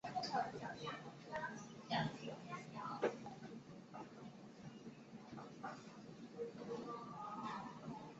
涓流就是以低速率且恒定方式对电池提供很小的充电电流。